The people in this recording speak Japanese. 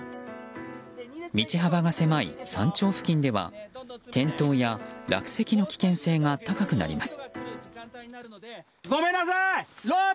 道幅が狭い山頂付近では転倒や落石の危険性が高くなります。